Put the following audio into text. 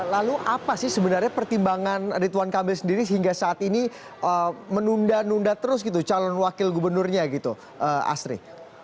lalu apa sih sebenarnya pertimbangan ridwan kamil sendiri hingga saat ini menunda nunda terus gitu calon wakil gubernurnya gitu asri